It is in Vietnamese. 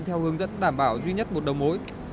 theo hướng dẫn đảm bảo duy nhất một đầu mối